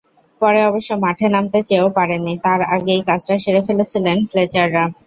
পরে অবশ্য মাঠে নামতে চেয়েও পারেননি, তার আগেই কাজটা সেরে ফেলেছিলেন ফ্লেচাররা।